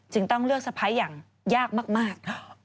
จึงต้องเลือกสไพซ์อย่างยากมาก